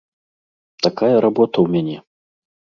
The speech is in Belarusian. Такая работа ў мяне.